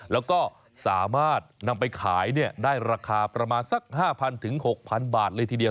แล้วก็สามารถนำไปขายได้ราคาประมาณสัก๕๐๐๖๐๐บาทเลยทีเดียว